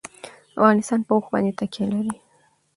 افغانستان په اوښ باندې تکیه لري.